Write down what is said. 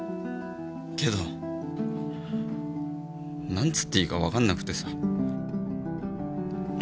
けどなんつっていいかわかんなくてさ。